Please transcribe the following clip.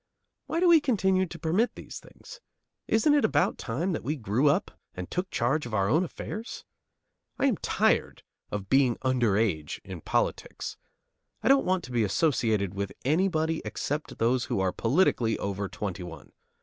Why do we continue to permit these things? Isn't it about time that we grew up and took charge of our own affairs? I am tired of being under age in politics. I don't want to be associated with anybody except those who are politically over twenty one.